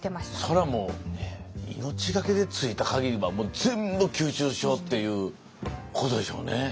それはもう命がけで着いた限りはもう全部吸収しようっていうことでしょうね。